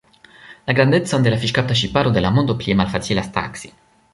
La grandecon de la fiŝkapta ŝiparo de la mondo plie malfacilas taksi.